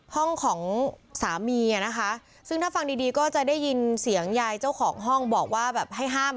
ของสามีอ่ะนะคะซึ่งถ้าฟังดีดีก็จะได้ยินเสียงยายเจ้าของห้องบอกว่าแบบให้ห้าม